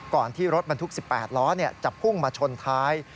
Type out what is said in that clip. ที่รถบรรทุก๑๘ล้อจะพุ่งมาชนท้าย